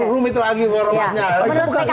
rumit lagi formatnya